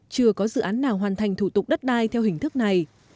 chưa có dự án nào hoàn thành thủ tục đất đai theo hình thức này